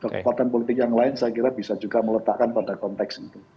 kekuatan politik yang lain saya kira bisa juga meletakkan pada konteks itu